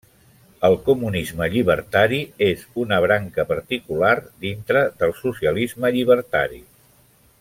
El comunisme llibertari és una branca particular dintre del socialisme llibertari.